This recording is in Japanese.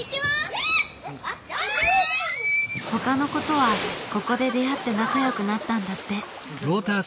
ほかの子とはここで出会って仲よくなったんだって。